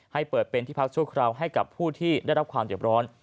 ให้เปิดเป็นที่พักชั่วคราวให้กับผู้ที่ได้รับความเด็บร้อน